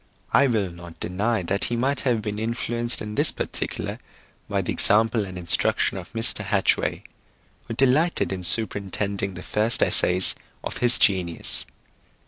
I will not deny that he might have been influenced in this particular by the example and instruction of Mr. Hatchway, who delighted in superintending the first essays of his genius.